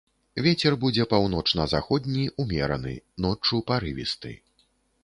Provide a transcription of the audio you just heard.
Вецер будзе паўночна-заходні ўмераны, ноччу парывісты.